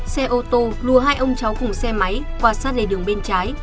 xe ô tô lùa hai ông cháu cùng xe máy qua sát lề đường bên trái